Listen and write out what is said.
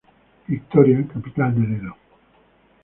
Victoria, capital del Edo.